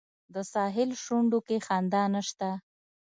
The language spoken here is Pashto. د ساحل شونډو کې خندا نشته